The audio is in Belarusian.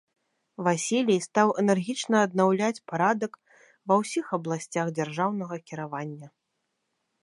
Васілій стаў энергічна аднаўляць парадак ва ўсіх абласцях дзяржаўнага кіравання.